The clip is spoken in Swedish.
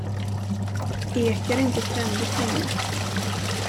Ek är inte trendigt längre.